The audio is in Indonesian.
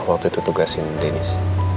waktu itu tugasin denis